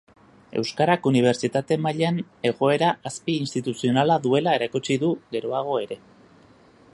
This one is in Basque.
Euskarak unibertsitate mailan egoera azpi-instituzionala duela erakutsi du geroago ere.